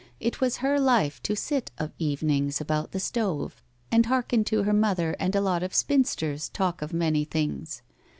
It was her life to sit of evenings about the stove and hearken to her mother and a lot of spinsters talk of many things.